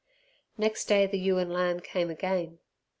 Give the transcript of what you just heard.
Next day the ewe and lamb came again.